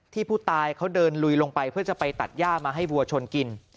ผู้ตายเขาเดินลุยลงไปเพื่อจะไปตัดย่ามาให้วัวชนกิน